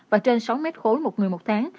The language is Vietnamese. và trên sáu mét khối một người một tháng